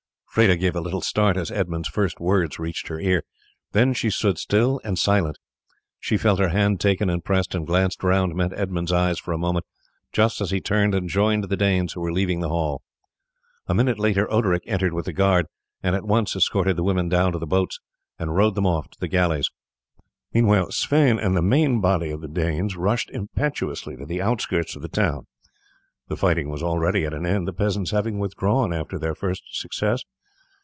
Freda gave a little start as Edmund's first words reached her ear. Then she stood still and silent. She felt her hand taken and pressed, and glancing round, met Edmund's eye for a moment just as he turned and joined the Danes who were leaving the hall. A minute later Oderic entered with the guard, and at once escorted the women down to the boats, and rowed them off to the galleys. Sweyn and the main body of the Danes rushed impetuously to the outskirts of the town. The fighting was already at an end, the peasants having withdrawn after their first success.